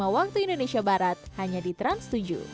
lima waktu indonesia barat hanya di trans tujuh